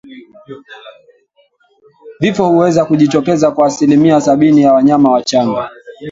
Vifo huweza kujitokeza kwa asilimia sabini ya wanyama wachanga